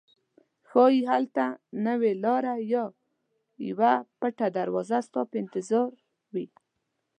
ښایي هلته نوې لاره یا یوه پټه دروازه ستا په انتظار وي.